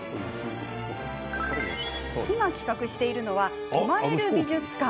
今、企画しているのは泊まれる美術館。